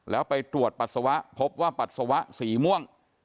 แล้วไปตรวจปัสสาวะพบว่าปัสสาวะสีม่วง